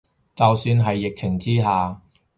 就算係疫情之下